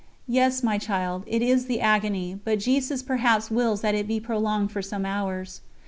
"Yes, my child, it is the agony, but Jesus perhaps wills that it be prolonged for some hours."